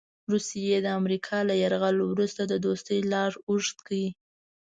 روسیې د امریکا له یرغل وروسته د دوستۍ لاس اوږد کړ.